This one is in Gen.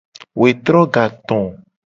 Wetro gato.